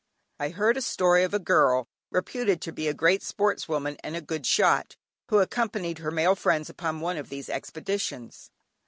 I heard a story of a girl, reputed to be a great Sportswoman and a good shot, who accompanied her male friends upon one of these expeditions.